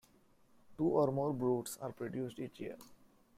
Two or more broods are produced each year.